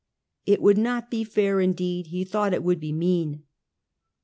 It would not be fair, indeed, he thought it would be mean.